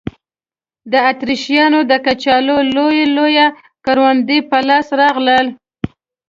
د اتریشیانو د کچالو لوی لوی کروندې په لاس راغلل.